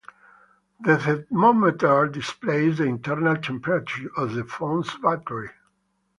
The thermometer displays the internal temperature of the phone's battery.